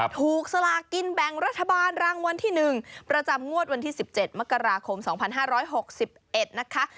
สลากินแบ่งรัฐบาลรางวัลที่๑ประจำงวดวันที่๑๗มกราคม๒๕๖๑นะคะ